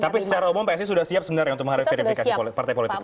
tapi secara umum psi sudah siap sebenarnya untuk menghadap verifikasi partai politik